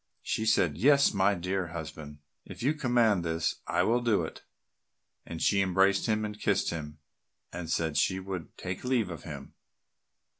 She said, "Yes, my dear husband, if you command this, I will do it," and she embraced him and kissed him, and said she would take leave of him.